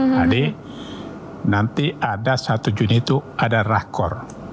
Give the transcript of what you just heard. jadi nanti ada satu juni itu ada rakor